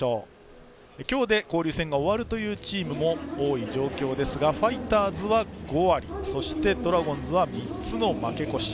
今日で交流戦が終わるチームが多いという状況ですがファイターズは５割ドラゴンズは３つの負け越し。